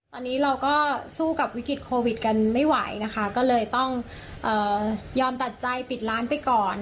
ตอนนี้เราก็สู้กับวิกฤตโควิดกันไม่ไหวนะคะก็เลยต้องยอมตัดใจปิดร้านไปก่อน